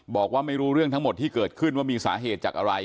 บอกว่าไม่รู้เรื่องทั้งหมดที่เกิดขึ้นว่ามีสาเหตุจากอะไร